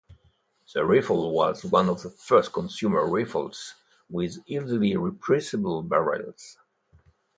The rifle was one of the first consumer rifles with easily replaceable barrels.